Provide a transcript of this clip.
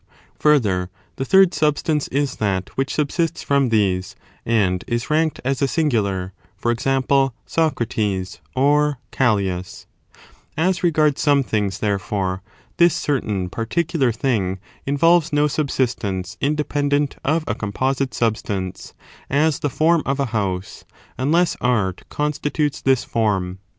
Further, the third substance is that which subsists from these, and is ^nked as a singular; for example, Socrates or Callias. 3. Fonn8,if they As regards* some things, therefore, this S found"to '* certain particular thing involves no subsistence composite sub independent of a composite substance, as the stances; form of a housc, uulcss art constitutes this form.